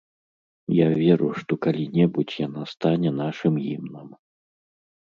Я веру, што калі-небудзь яна стане нашым гімнам.